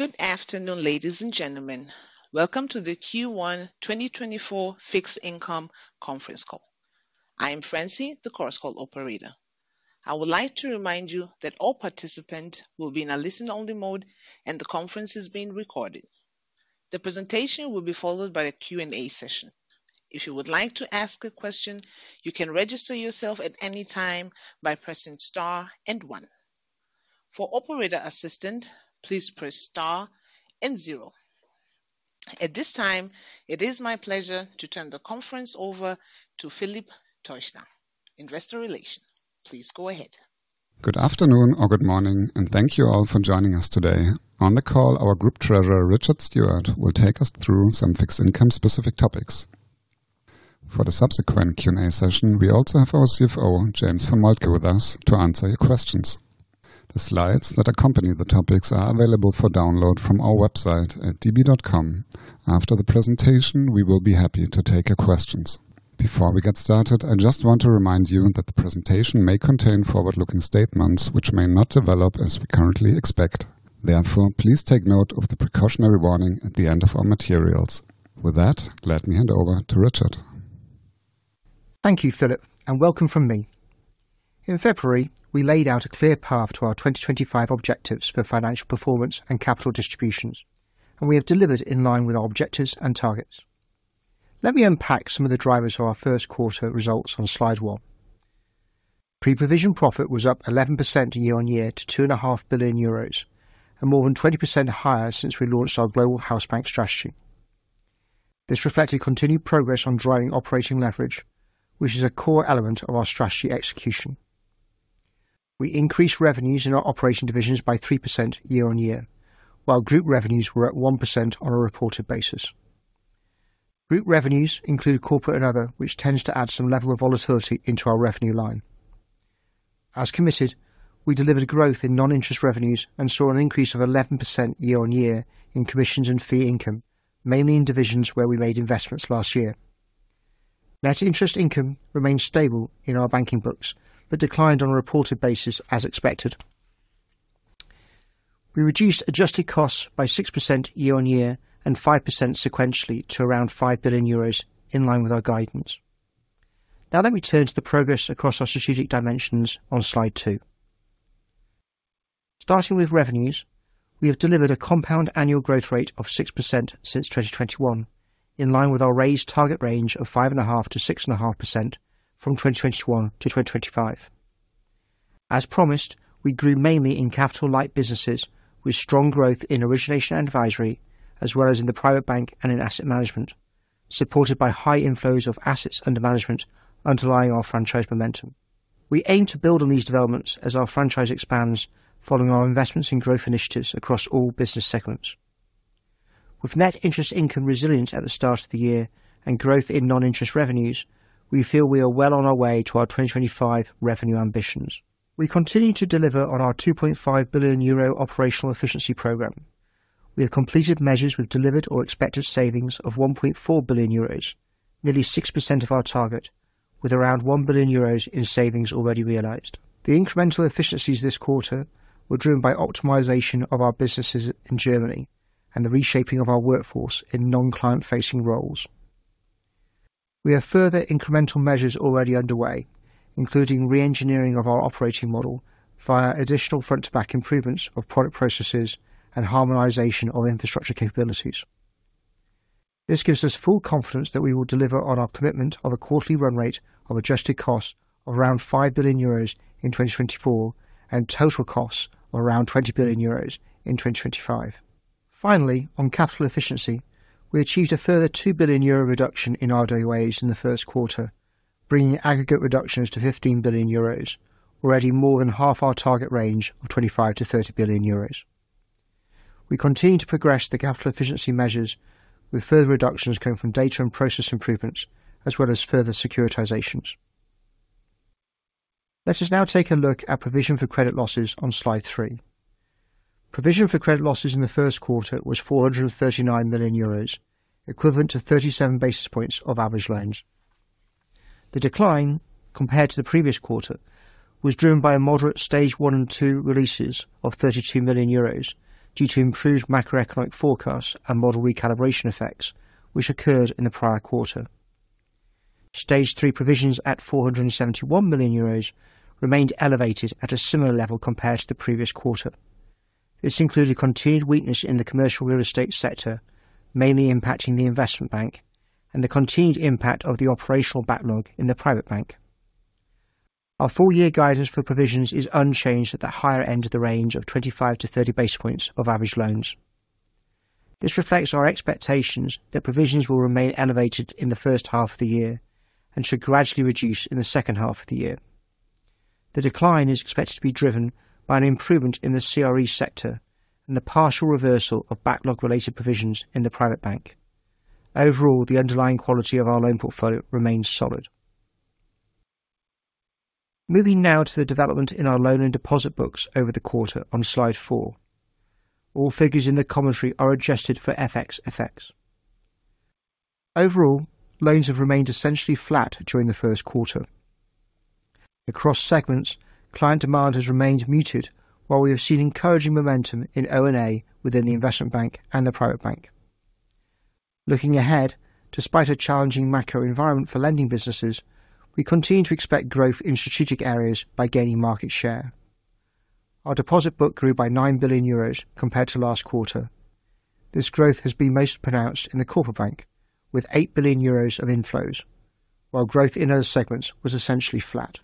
Good afternoon, ladies and gentlemen. Welcome to the Q1 2024 fixed income conference call. I am Francie, the conference call operator. I would like to remind you that all participants will be in a listen-only mode and the conference is being recorded. The presentation will be followed by a Q&A session. If you would like to ask a question, you can register yourself at any time by pressing star and 1. For operator assistance, please press star and 0. At this time, it is my pleasure to turn the conference over to Philip Teuchner, Investor Relations. Please go ahead. Good afternoon or good morning, and thank you all for joining us today. On the call, our group treasurer Richard Stewart will take us through some fixed income-specific topics. For the subsequent Q&A session, we also have our CFO, James von Moltke, with us to answer your questions. The slides that accompany the topics are available for download from our website at db.com. After the presentation, we will be happy to take your questions. Before we get started, I just want to remind you that the presentation may contain forward-looking statements which may not develop as we currently expect. Therefore, please take note of the precautionary warning at the end of our materials. With that, let me hand over to Richard. Thank you, Philip, and welcome from me. In February, we laid out a clear path to our 2025 objectives for financial performance and capital distributions, and we have delivered in line with our objectives and targets. Let me unpack some of the drivers of our first quarter results on slide 1. Pre-provision profit was up 11% year-over-year to 2.5 billion euros, and more than 20% higher since we launched our Global Hausbank strategy. This reflected continued progress on driving operating leverage, which is a core element of our strategy execution. We increased revenues in our operating divisions by 3% year-over-year, while group revenues were at 1% on a reported basis. Group revenues include Corporate & Other, which tends to add some level of volatility into our revenue line. As committed, we delivered growth in non-interest revenues and saw an increase of 11% year-on-year in commissions and fee income, mainly in divisions where we made investments last year. Net interest income remained stable in our banking books but declined on a reported basis as expected. We reduced adjusted costs by 6% year-on-year and 5% sequentially to around 5 billion euros in line with our guidance. Now let me turn to the progress across our strategic dimensions on slide 2. Starting with revenues, we have delivered a compound annual growth rate of 6% since 2021, in line with our raised target range of 5.5%-6.5% from 2021 to 2025. As promised, we grew mainly in capital-light businesses with strong growth in origination and advisory, as well as in the Private Bank and in Asset Management, supported by high inflows of assets under management underlying our franchise momentum. We aim to build on these developments as our franchise expands following our investments in growth initiatives across all business segments. With net interest income resilience at the start of the year and growth in non-interest revenues, we feel we are well on our way to our 2025 revenue ambitions. We continue to deliver on our 2.5 billion euro operational efficiency program. We have completed measures with delivered or expected savings of 1.4 billion euros, nearly 6% of our target, with around 1 billion euros in savings already realized. The incremental efficiencies this quarter were driven by optimization of our businesses in Germany and the reshaping of our workforce in non-client-facing roles. We have further incremental measures already underway, including re-engineering of our operating model via additional front-to-back improvements of product processes and harmonization of infrastructure capabilities. This gives us full confidence that we will deliver on our commitment of a quarterly run rate of adjusted costs of around 5 billion euros in 2024 and total costs of around 20 billion euros in 2025. Finally, on capital efficiency, we achieved a further 2 billion euro reduction in RWAs in the first quarter, bringing aggregate reductions to 15 billion euros, already more than half our target range of 25-30 billion euros. We continue to progress the capital efficiency measures with further reductions coming from data and process improvements, as well as further securitisations. Let us now take a look at provision for credit losses on slide 3. Provision for credit losses in the first quarter was 439 million euros, equivalent to 37 basis points of average loans. The decline, compared to the previous quarter, was driven by moderate Stage 1 and Stage 2 releases of 32 million euros due to improved macroeconomic forecasts and model recalibration effects, which occurred in the prior quarter. Stage 3 provisions at 471 million euros remained elevated at a similar level compared to the previous quarter. This included continued weakness in the commercial real estate sector, mainly impacting the Investment Bank, and the continued impact of the operational backlog in the private bank. Our full-year guidance for provisions is unchanged at the higher end of the range of 25-30 basis points of average loans. This reflects our expectations that provisions will remain elevated in the first half of the year and should gradually reduce in the second half of the year. The decline is expected to be driven by an improvement in the CRE sector and the partial reversal of backlog-related provisions in the private bank. Overall, the underlying quality of our loan portfolio remains solid. Moving now to the development in our loan and deposit books over the quarter on slide 4. All figures in the commentary are adjusted for FX effects. Overall, loans have remained essentially flat during the first quarter. Across segments, client demand has remained muted, while we have seen encouraging momentum in O&A within the investment bank and the private bank. Looking ahead, despite a challenging macro environment for lending businesses, we continue to expect growth in strategic areas by gaining market share. Our deposit book grew by 9 billion euros compared to last quarter. This growth has been most pronounced in the Corporate Bank with 8 billion euros of inflows, while growth in other segments was essentially flat.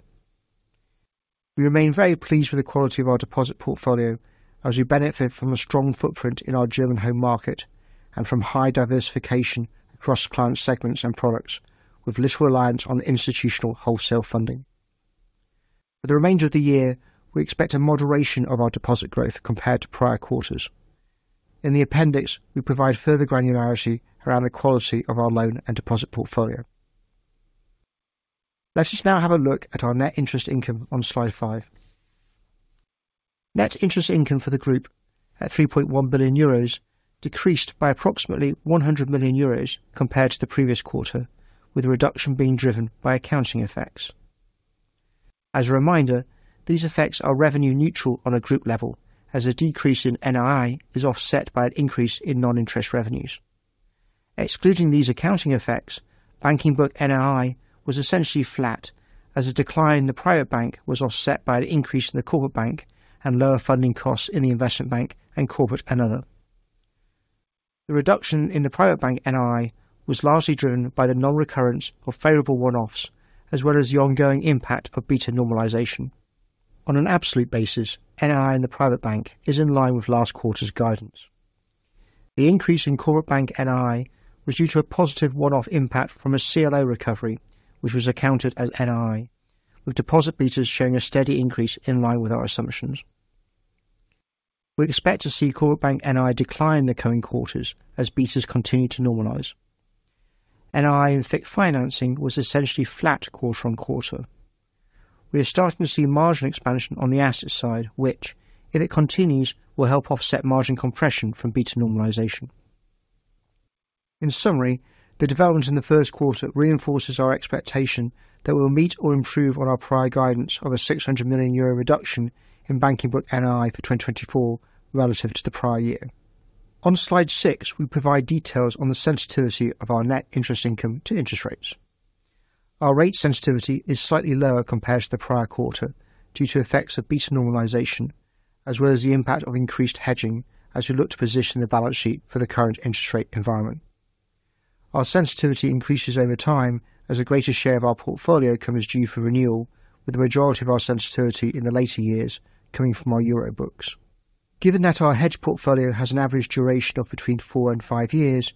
We remain very pleased with the quality of our deposit portfolio as we benefit from a strong footprint in our German home market and from high diversification across client segments and products, with little reliance on institutional wholesale funding. For the remainder of the year, we expect a moderation of our deposit growth compared to prior quarters. In the appendix, we provide further granularity around the quality of our loan and deposit portfolio. Let us now have a look at our net interest income on slide 5. Net interest income for the group at 3.1 billion euros decreased by approximately 100 million euros compared to the previous quarter, with the reduction being driven by accounting effects. As a reminder, these effects are revenue-neutral on a group level, as a decrease in NII is offset by an increase in non-interest revenues. Excluding these accounting effects, banking book NII was essentially flat, as a decline in the private bank was offset by an increase in the corporate bank and lower funding costs in the investment bank and corporate and other. The reduction in the private bank NII was largely driven by the non-recurrence of favorable one-offs, as well as the ongoing impact of beta normalization. On an absolute basis, NII in the private bank is in line with last quarter's guidance. The increase in corporate bank NII was due to a positive one-off impact from a CLO recovery, which was accounted as NII, with deposit betas showing a steady increase in line with our assumptions. We expect to see corporate bank NII decline in the coming quarters as betas continue to normalize. NII in FIC financing was essentially flat quarter-over-quarter. We are starting to see margin expansion on the asset side, which, if it continues, will help offset margin compression from beta normalization. In summary, the development in the first quarter reinforces our expectation that we will meet or improve on our prior guidance of a 600 million euro reduction in banking book NII for 2024 relative to the prior year. On slide 6, we provide details on the sensitivity of our net interest income to interest rates. Our rate sensitivity is slightly lower compared to the prior quarter due to effects of beta normalization, as well as the impact of increased hedging as we look to position the balance sheet for the current interest rate environment. Our sensitivity increases over time as a greater share of our portfolio comes due for renewal, with the majority of our sensitivity in the later years coming from our euro books. Given that our hedge portfolio has an average duration of between 4 and 5 years,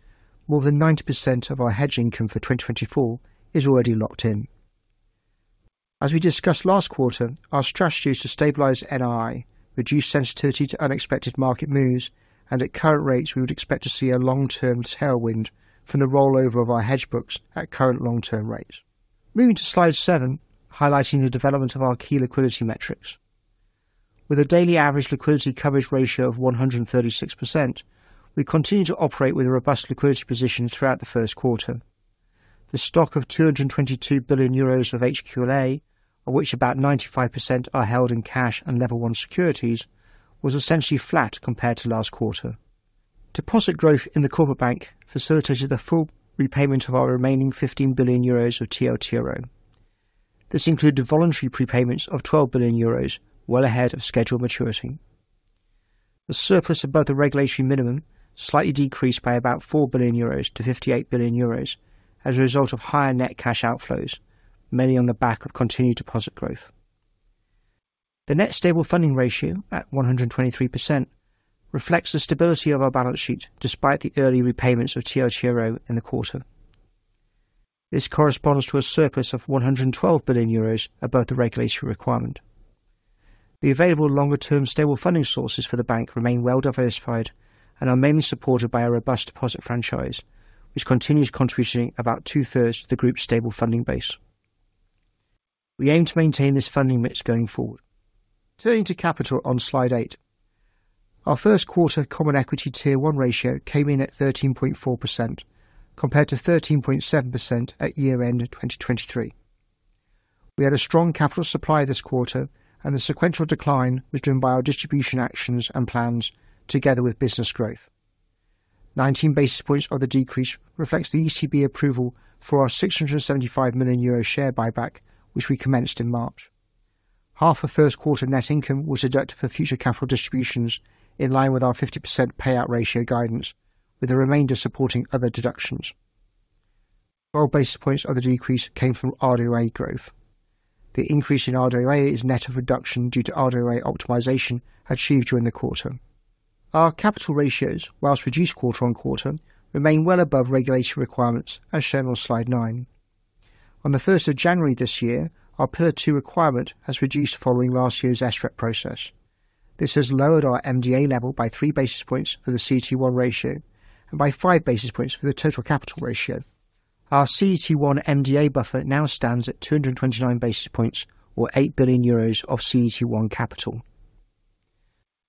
more than 90% of our hedge income for 2024 is already locked in. As we discussed last quarter, our strategies to stabilise NII reduce sensitivity to unexpected market moves, and at current rates, we would expect to see a long-term tailwind from the rollover of our hedge books at current long-term rates. Moving to slide 7, highlighting the development of our key liquidity metrics. With a daily average liquidity coverage ratio of 136%, we continue to operate with a robust liquidity position throughout the first quarter. The stock of 222 billion euros of HQLA, of which about 95% are held in cash and Level 1 securities, was essentially flat compared to last quarter. Deposit growth in the corporate bank facilitated the full repayment of our remaining 15 billion euros of TLTRO. This included voluntary prepayments of 12 billion euros, well ahead of scheduled maturity. The surplus above the regulatory minimum slightly decreased by about 4 billion euros to 58 billion euros as a result of higher net cash outflows, mainly on the back of continued deposit growth. The net stable funding ratio at 123% reflects the stability of our balance sheet despite the early repayments of TLTRO in the quarter. This corresponds to a surplus of 112 billion euros above the regulatory requirement. The available longer-term stable funding sources for the bank remain well diversified and are mainly supported by a robust deposit franchise, which continues contributing about two-thirds to the group's stable funding base. We aim to maintain this funding mix going forward. Turning to capital on slide 8. Our first quarter Common Equity Tier 1 ratio came in at 13.4% compared to 13.7% at year-end 2023. We had a strong capital supply this quarter, and the sequential decline was driven by our distribution actions and plans together with business growth. 19 basis points of the decrease reflects the ECB approval for our 675 million euro share buyback, which we commenced in March. Half of first quarter net income was deducted for future capital distributions in line with our 50% payout ratio guidance, with the remainder supporting other deductions. 12 basis points of the decrease came from RWA growth. The increase in RWA is net of reduction due to RWA optimisation achieved during the quarter. Our capital ratios, while reduced quarter-on-quarter, remain well above regulatory requirements as shown on slide 9. On the 1st of January this year, our Pillar 2 requirement has reduced following last year's SREP process. This has lowered our MDA level by 3 basis points for the CET1 ratio and by 5 basis points for the total capital ratio. Our CET1 MDA buffer now stands at 229 basis points, or 8 billion euros of CET1 capital.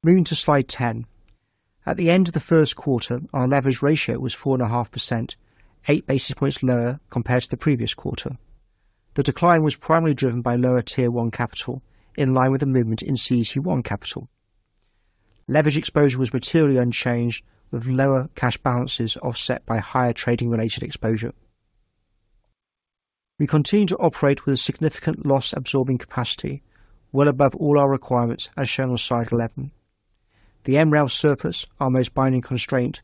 Moving to slide 10. At the end of the first quarter, our leverage ratio was 4.5%, 8 basis points lower compared to the previous quarter. The decline was primarily driven by lower Tier 1 capital in line with the movement in CET1 capital. Leverage exposure was materially unchanged, with lower cash balances offset by higher trading-related exposure. We continue to operate with a significant loss-absorbing capacity, well above all our requirements as shown on slide 11. The MREL surplus, our most binding constraint,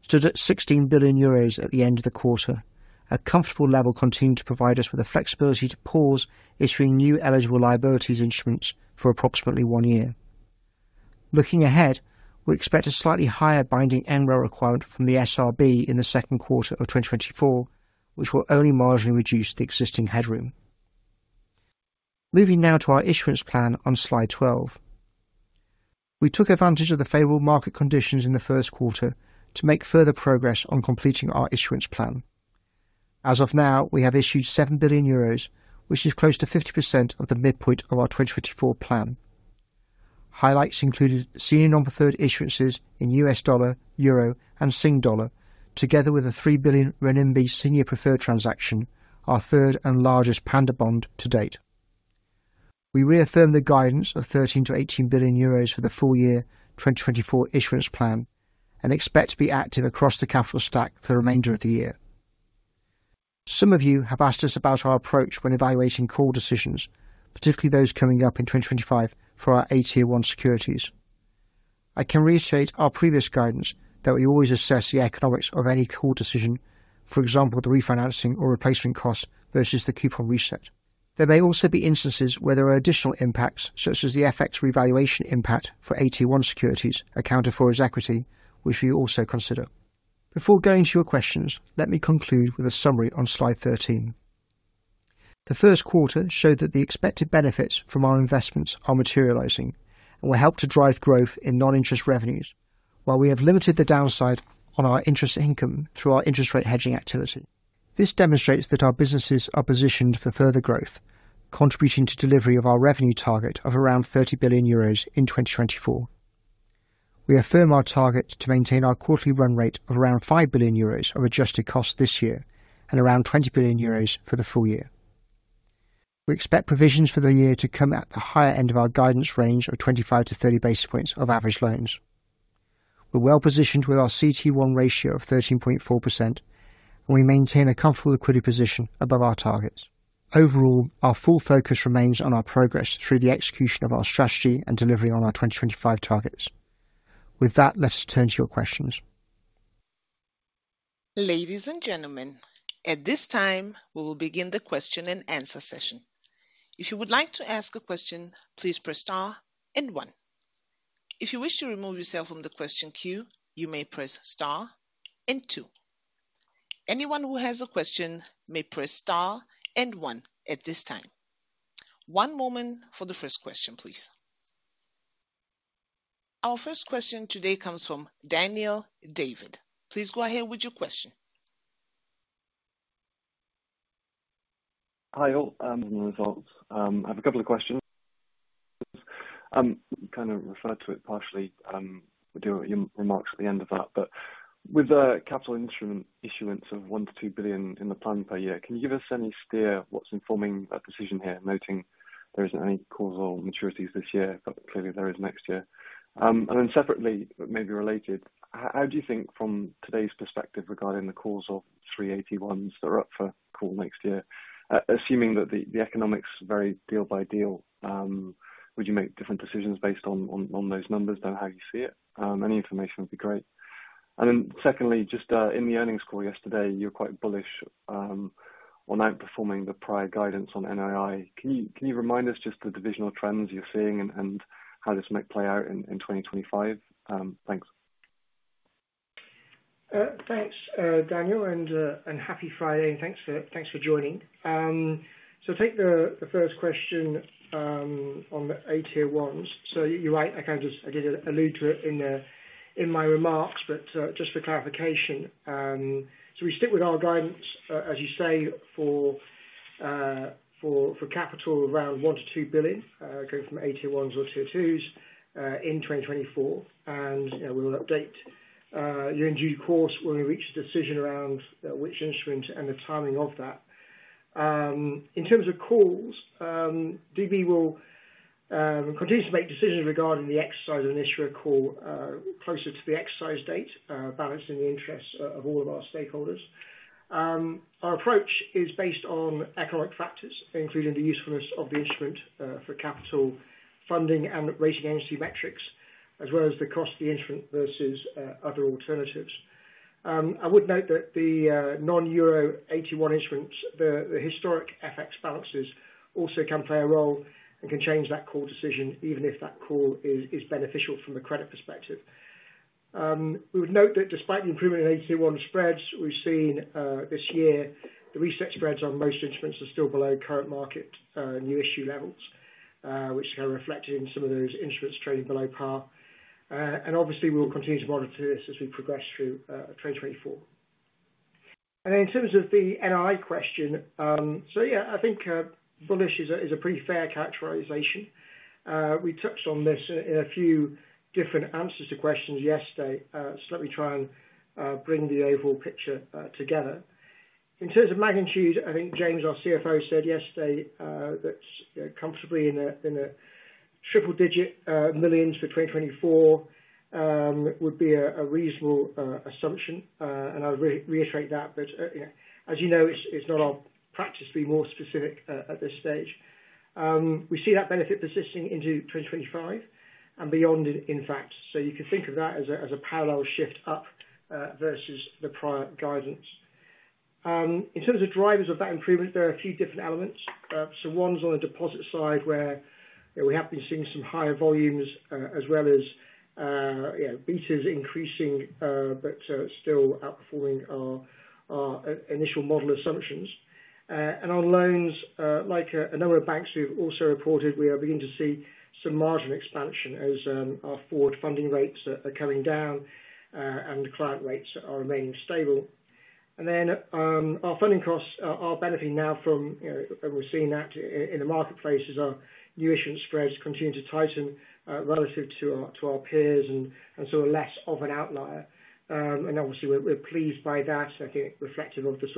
stood at 16 billion euros at the end of the quarter, a comfortable level continuing to provide us with the flexibility to pause issuing new eligible liabilities instruments for approximately one year. Looking ahead, we expect a slightly higher binding MREL requirement from the SRB in the second quarter of 2024, which will only marginally reduce the existing headroom. Moving now to our issuance plan on slide 12. We took advantage of the favorable market conditions in the first quarter to make further progress on completing our issuance plan. As of now, we have issued 7 billion euros, which is close to 50% of the midpoint of our 2024 plan. Highlights included senior non-preferred issuances in U.S. dollar, euro, and Singapore dollar, together with a 3 billion renminbi senior preferred transaction, our third and largest panda bond to date. We reaffirm the guidance of 13 billion-18 billion euros for the full year 2024 issuance plan and expect to be active across the capital stack for the remainder of the year. Some of you have asked us about our approach when evaluating call decisions, particularly those coming up in 2025 for our AT1 securities. I can reiterate our previous guidance that we always assess the economics of any call decision, for example, the refinancing or replacement cost versus the coupon reset. There may also be instances where there are additional impacts, such as the FX revaluation impact for AT1 securities accounted for as equity, which we also consider. Before going to your questions, let me conclude with a summary on slide 13. The first quarter showed that the expected benefits from our investments are materializing and will help to drive growth in non-interest revenues, while we have limited the downside on our interest income through our interest rate hedging activity. This demonstrates that our businesses are positioned for further growth, contributing to delivery of our revenue target of around 30 billion euros in 2024. We affirm our target to maintain our quarterly run rate of around 5 billion euros of adjusted costs this year and around 20 billion euros for the full year. We expect provisions for the year to come at the higher end of our guidance range of 25-30 basis points of average loans. We're well positioned with our CET1 ratio of 13.4%, and we maintain a comfortable liquidity position above our targets. Overall, our full focus remains on our progress through the execution of our strategy and delivery on our 2025 targets. With that, let us turn to your questions. Ladies and gentlemen, at this time, we will begin the question and answer session. If you would like to ask a question, please press star and one. If you wish to remove yourself from the question queue, you may press star and two. Anyone who has a question may press star and one at this time. One moment for the first question, please. Our first question today comes from Daniel Davies. Please go ahead with your question. Hi all. And results. I have a couple of questions. We kind of referred to it partially. We'll do your remarks at the end of that. But with the capital instrument issuance of 1 billion-2 billion in the plan per year, can you give us any steer what's informing that decision here, noting there isn't any callable maturities this year, but clearly there is next year? And then separately, maybe related, how do you think from today's perspective regarding the callable AT1s that are up for call next year? Assuming that the economics vary deal by deal, would you make different decisions based on those numbers? I don't know how you see it. Any information would be great. And then secondly, just in the earnings call yesterday, you were quite bullish on outperforming the prior guidance on NII. Can you remind us just the divisional trends you're seeing and how this might play out in 2025? Thanks. Thanks, Daniel, and happy Friday, and thanks for joining. So take the first question on the AT1s. So you're right, I kind of just alluded to it in my remarks, but just for clarification. So we stick with our guidance, as you say, for capital around 1 billion-2 billion, going from AT1s or Tier 2s in 2024. And we'll update in due course when we reach a decision around which instrument and the timing of that. In terms of calls, DB will continue to make decisions regarding the exercise of an issuer call closer to the exercise date, balancing the interests of all of our stakeholders. Our approach is based on economic factors, including the usefulness of the instrument for capital funding and rating agency metrics, as well as the cost of the instrument versus other alternatives. I would note that the non-euro AT1 instruments, the historic FX balances, also can play a role and can change that call decision, even if that call is beneficial from a credit perspective. We would note that despite the improvement in AT1 spreads we've seen this year, the reset spreads on most instruments are still below current market new issue levels, which are reflected in some of those instruments trading below par. And obviously, we will continue to monitor this as we progress through 2024. And then in terms of the NII question, so yeah, I think bullish is a pretty fair characterization. We touched on this in a few different answers to questions yesterday. So let me try and bring the overall picture together. In terms of magnitude, I think James, our CFO, said yesterday that comfortably in the EUR triple-digit millions for 2024 would be a reasonable assumption. And I'll reiterate that. But as you know, it's not our practice to be more specific at this stage. We see that benefit persisting into 2025 and beyond, in fact. So you can think of that as a parallel shift up versus the prior guidance. In terms of drivers of that improvement, there are a few different elements. So one's on the deposit side where we have been seeing some higher volumes as well as betas increasing but still outperforming our initial model assumptions. And on loans, like a number of banks who have also reported, we are beginning to see some margin expansion as our forward funding rates are coming down and the client rates are remaining stable. Then our funding costs are benefiting now from and we're seeing that in the marketplace as our new issuance spreads continue to tighten relative to our peers and sort of less of an outlier. Obviously, we're pleased by that, I think reflective of the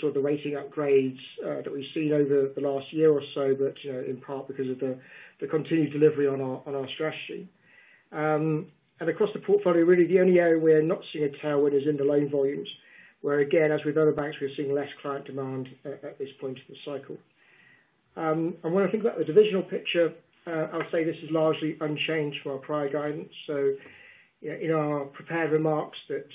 sort of the rating upgrades that we've seen over the last year or so, but in part because of the continued delivery on our strategy. Across the portfolio, really, the only area where we're not seeing a tailwind is in the loan volumes, where again, as with other banks, we're seeing less client demand at this point in the cycle. When I think about the divisional picture, I'll say this is largely unchanged from our prior guidance. So in our prepared remarks that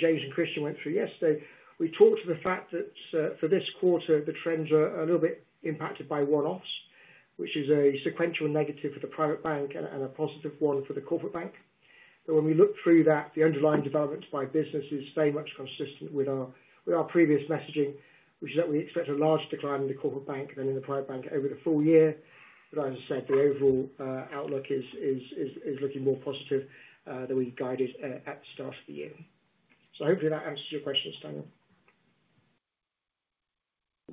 James and Christian went through yesterday, we talked to the fact that for this quarter, the trends are a little bit impacted by one-offs, which is a sequential negative for the private bank and a positive one for the corporate bank. But when we look through that, the underlying developments by businesses stay much consistent with our previous messaging, which is that we expect a large decline in the corporate bank than in the private bank over the full year. But as I said, the overall outlook is looking more positive than we guided at the start of the year. So hopefully, that answers your questions, Daniel.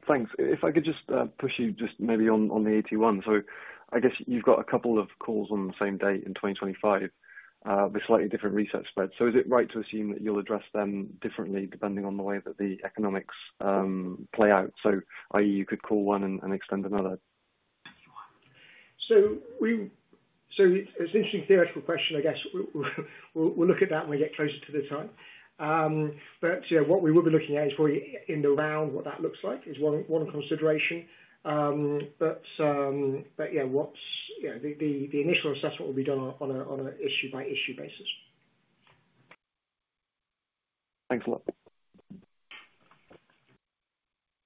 Thanks. If I could just push you just maybe on the AT1. So I guess you've got a couple of calls on the same date in 2025 with slightly different reset spreads. So is it right to assume that you'll address them differently depending on the way that the economics play out? So i.e., you could call one and extend another. So it's an interesting theoretical question, I guess. We'll look at that when we get closer to the time. But what we will be looking at is probably in the round what that looks like is one consideration. But yeah, the initial assessment will be done on an issue-by-issue basis. Thanks a lot.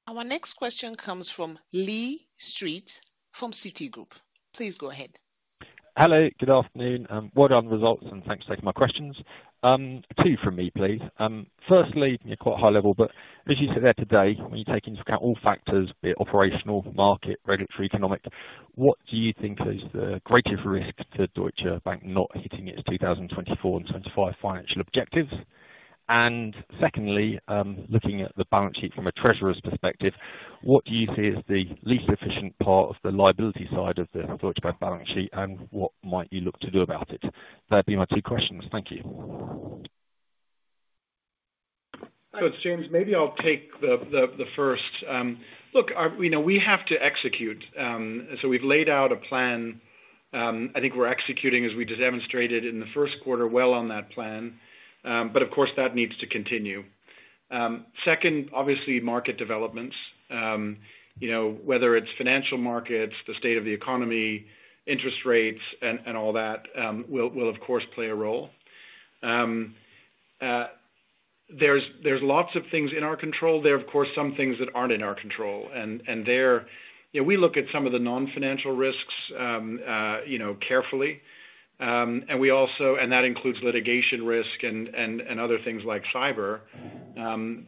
Our next question comes from Lee Street from Citi. Please go ahead. Hello, good afternoon. Well done on the results, and thanks for taking my questions. Two from me, please. Firstly, quite high level, but as you sit there today, when you take into account all factors, be it operational, market, regulatory, economic, what do you think is the greatest risk to Deutsche Bank not hitting its 2024 and 2025 financial objectives? And secondly, looking at the balance sheet from a treasurer's perspective, what do you see as the least efficient part of the liability side of the Deutsche Bank balance sheet, and what might you look to do about it? That'd be my two questions. Thank you. So it's James. Maybe I'll take the first. Look, we have to execute. So we've laid out a plan. I think we're executing, as we demonstrated in the first quarter, well on that plan. But of course, that needs to continue. Second, obviously, market developments, whether it's financial markets, the state of the economy, interest rates, and all that will, of course, play a role. There's lots of things in our control there. Of course, some things that aren't in our control. And we look at some of the non-financial risks carefully. And that includes litigation risk and other things like cyber.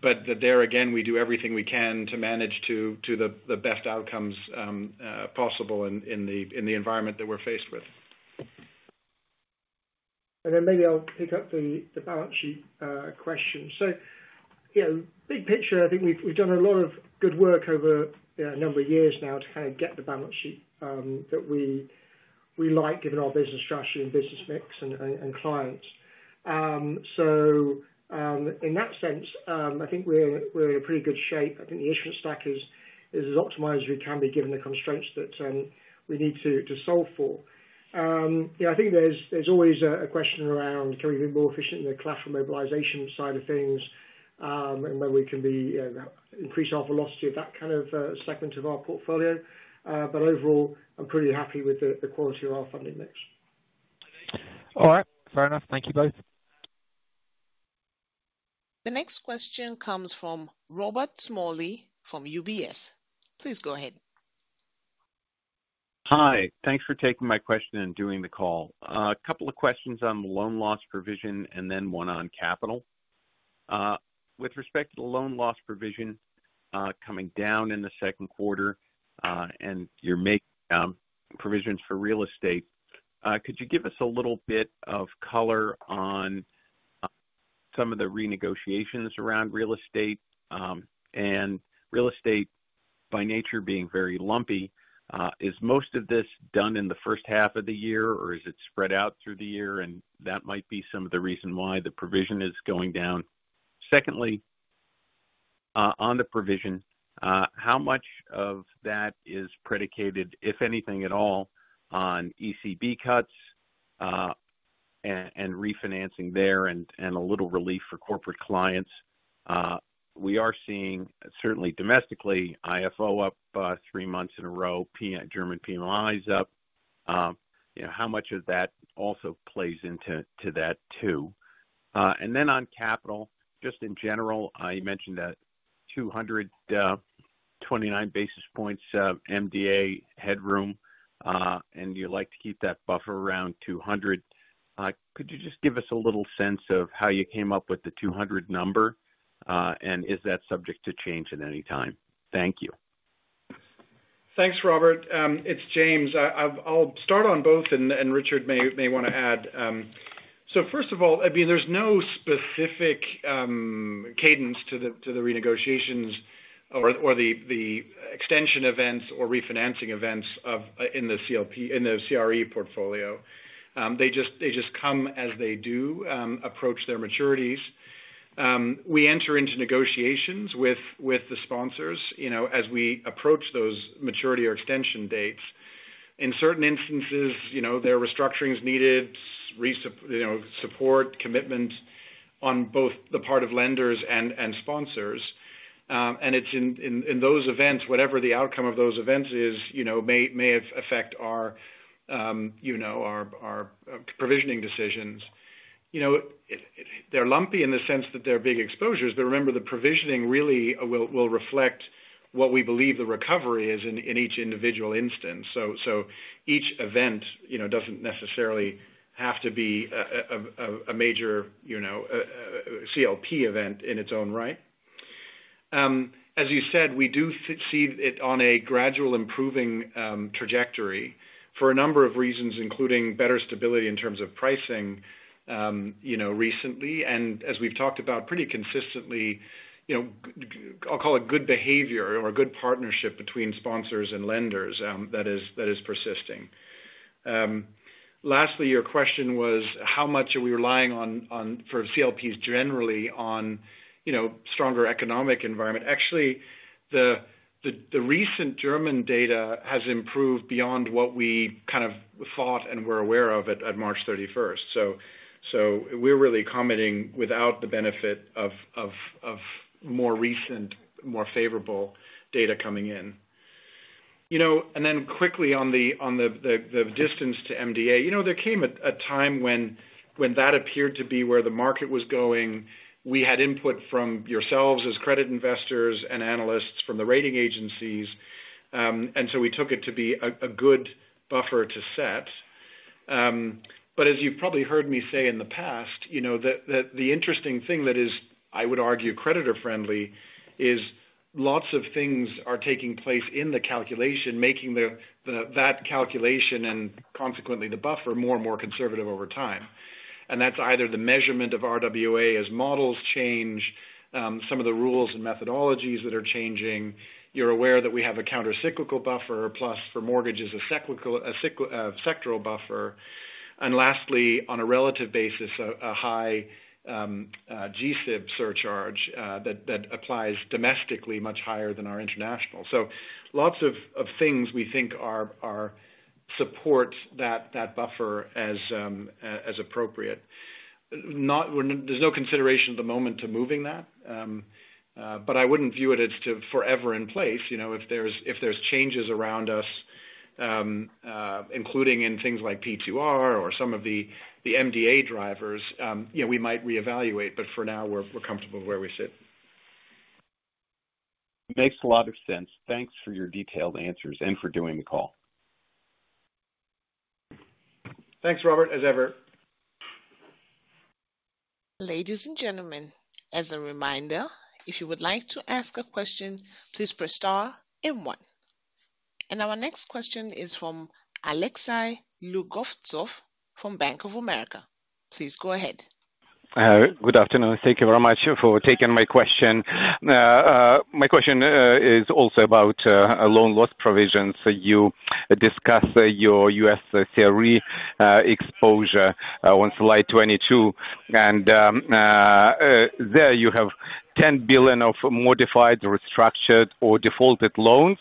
But there, again, we do everything we can to manage to the best outcomes possible in the environment that we're faced with. And then maybe I'll pick up the balance sheet question. So big picture, I think we've done a lot of good work over a number of years now to kind of get the balance sheet that we like, given our business strategy and business mix and clients. So in that sense, I think we're in a pretty good shape. I think the issuance stack is as optimized as we can be, given the constraints that we need to solve for. I think there's always a question around, can we be more efficient in the collateral mobilisation side of things and where we can increase our velocity of that kind of segment of our portfolio? But overall, I'm pretty happy with the quality of our funding mix. All right. Fair enough. Thank you both. The next question comes from Robert Smalley from UBS. Please go ahead. Hi. Thanks for taking my question and doing the call. A couple of questions on the loan loss provision and then one on capital. With respect to the loan loss provision coming down in the second quarter and your provisions for real estate, could you give us a little bit of color on some of the renegotiations around real estate? And real estate, by nature, being very lumpy, is most of this done in the first half of the year, or is it spread out through the year? And that might be some of the reason why the provision is going down. Secondly, on the provision, how much of that is predicated, if anything at all, on ECB cuts and refinancing there and a little relief for corporate clients? We are seeing, certainly domestically, IFO up three months in a row, German PMIs up. How much of that also plays into that too? And then on capital, just in general, you mentioned that 229 basis points MDA headroom, and you like to keep that buffer around 200. Could you just give us a little sense of how you came up with the 200 number, and is that subject to change at any time? Thank you. Thanks, Robert. It's James. I'll start on both, and Richard may want to add. So first of all, I mean, there's no specific cadence to the renegotiations or the extension events or refinancing events in the CRE portfolio. They just come as they do, approach their maturities. We enter into negotiations with the sponsors as we approach those maturity or extension dates. In certain instances, there are restructurings needed, support, commitment on both the part of lenders and sponsors. In those events, whatever the outcome of those events is may affect our provisioning decisions. They're lumpy in the sense that they're big exposures, but remember, the provisioning really will reflect what we believe the recovery is in each individual instance. So each event doesn't necessarily have to be a major CLP event in its own right. As you said, we do see it on a gradual improving trajectory for a number of reasons, including better stability in terms of pricing recently and, as we've talked about, pretty consistently, I'll call it good behavior or a good partnership between sponsors and lenders that is persisting. Lastly, your question was how much are we relying on, for CLPs generally, on a stronger economic environment? Actually, the recent German data has improved beyond what we kind of thought and were aware of at March 31st. So we're really commenting without the benefit of more recent, more favorable data coming in. And then quickly on the distance to MDA, there came a time when that appeared to be where the market was going. We had input from yourselves as credit investors and analysts from the rating agencies. And so we took it to be a good buffer to set. But as you've probably heard me say in the past, the interesting thing that is, I would argue, creditor-friendly is lots of things are taking place in the calculation, making that calculation and consequently the buffer more and more conservative over time. And that's either the measurement of RWA as models change, some of the rules and methodologies that are changing. You're aware that we have a countercyclical buffer, plus for mortgages, a sectoral buffer. And lastly, on a relative basis, a high G-SIB surcharge that applies domestically much higher than our international. So lots of things we think support that buffer as appropriate. There's no consideration at the moment to moving that. But I wouldn't view it as to forever in place. If there's changes around us, including in things like P2R or some of the MDA drivers, we might reevaluate. But for now, we're comfortable where we sit. Makes a lot of sense. Thanks for your detailed answers and for doing the call. Thanks, Robert, as ever. Ladies and gentlemen, as a reminder, if you would like to ask a question, please press star and one. And our next question is from Alexei Lugovtsov from Bank of America. Please go ahead. Good afternoon. Thank you very much for taking my question. My question is also about loan loss provisions. You discussed your U.S. CRE exposure on July 22. There you have $10 billion of modified, restructured, or defaulted loans.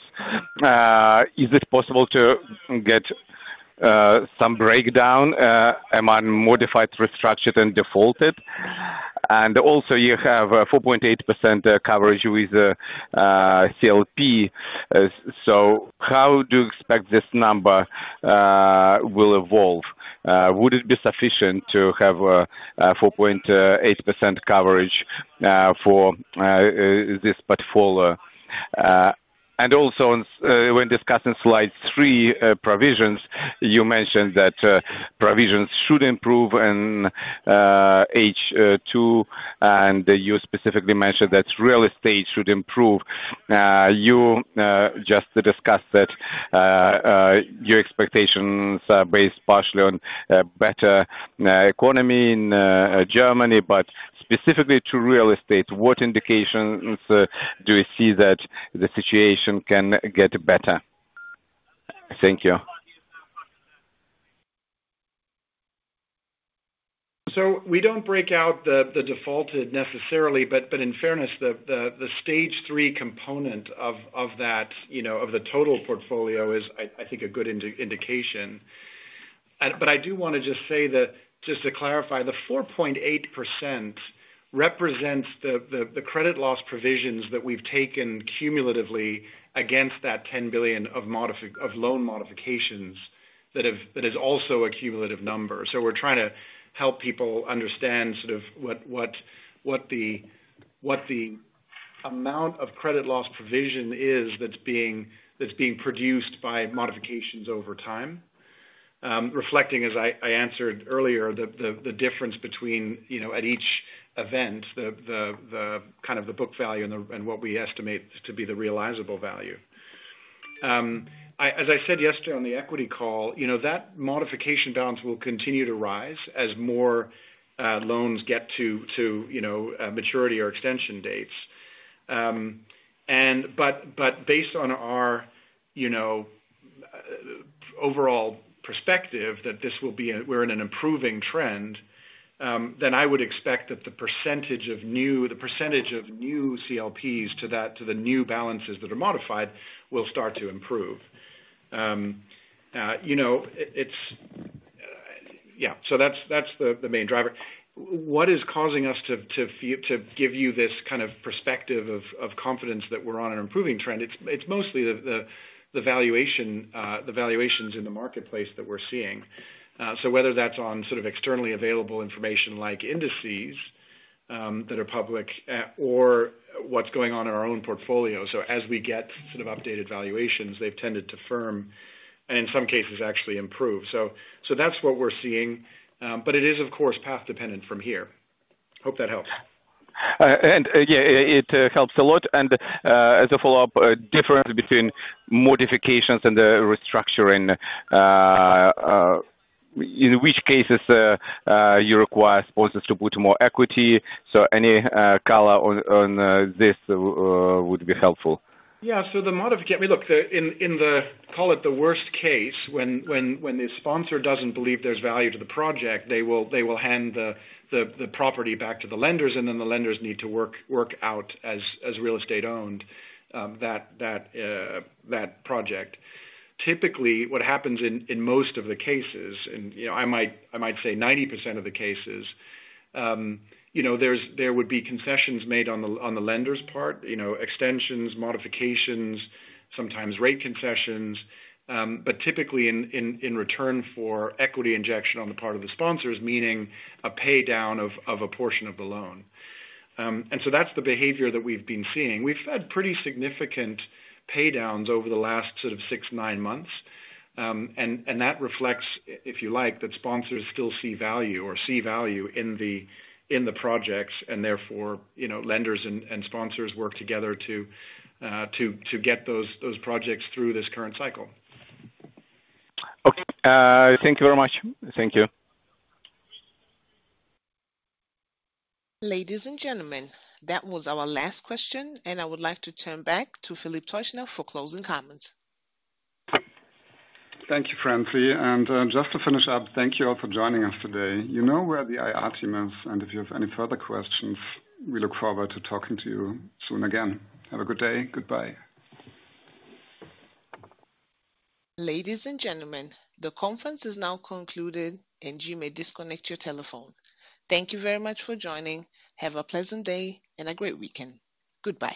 Is it possible to get some breakdown among modified, restructured, and defaulted? You have 4.8% coverage with CLP. So how do you expect this number will evolve? Would it be sufficient to have 4.8% coverage for this portfolio? When discussing slide 3 provisions, you mentioned that provisions should improve in H2. You specifically mentioned that real estate should improve. You just discussed that your expectations are based partially on a better economy in Germany. Specifically to real estate, what indications do you see that the situation can get better? Thank you. So we don't break out the defaulted necessarily. But in fairness, the Stage 3 component of the total portfolio is, I think, a good indication. But I do want to just say that, just to clarify, the 4.8% represents the credit loss provisions that we've taken cumulatively against that 10 billion of loan modifications that is also a cumulative number. So we're trying to help people understand sort of what the amount of credit loss provision is that's being produced by modifications over time, reflecting, as I answered earlier, the difference between at each event, kind of the book value and what we estimate to be the realizable value. As I said yesterday on the equity call, that modification balance will continue to rise as more loans get to maturity or extension dates. But based on our overall perspective that we're in an improving trend, then I would expect that the percentage of new CLPs to the new balances that are modified will start to improve. Yeah, so that's the main driver. What is causing us to give you this kind of perspective of confidence that we're on an improving trend? It's mostly the valuations in the marketplace that we're seeing. So whether that's on sort of externally available information like indices that are public or what's going on in our own portfolio. So as we get sort of updated valuations, they've tended to firm and, in some cases, actually improve. So that's what we're seeing. But it is, of course, path-dependent from here. Hope that helps. Yeah, it helps a lot. As a follow-up, the difference between modifications and the restructuring, in which cases you require sponsors to put more equity? Any color on this would be helpful. Yeah. So the modification, look, call it the worst case. When the sponsor doesn't believe there's value to the project, they will hand the property back to the lenders. And then the lenders need to work out as real estate-owned that project. Typically, what happens in most of the cases, and I might say 90% of the cases, there would be concessions made on the lender's part, extensions, modifications, sometimes rate concessions. But typically, in return for equity injection on the part of the sponsors, meaning a paydown of a portion of the loan. And so that's the behavior that we've been seeing. We've had pretty significant paydowns over the last sort of 6, 9 months. And that reflects, if you like, that sponsors still see value or see value in the projects. And therefore, lenders and sponsors work together to get those projects through this current cycle. Okay. Thank you very much. Thank you. Ladies and gentlemen, that was our last question. I would like to turn back to Philip Teuchner for closing comments. Thank you, Francie. Just to finish up, thank you all for joining us today. You know where the IR team is. If you have any further questions, we look forward to talking to you soon again. Have a good day. Goodbye. Ladies and gentlemen, the conference is now concluded. You may disconnect your telephone. Thank you very much for joining. Have a pleasant day and a great weekend. Goodbye.